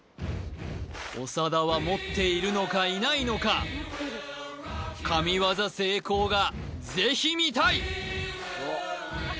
長田は持っているのかいないのか神業成功がぜひ見たい！